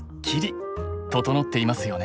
整っていますよね。